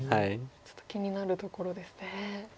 ちょっと気になるところですね。